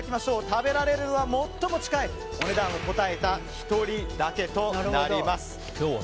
食べられるのは最も近いお値段を答えた１人だけとなります。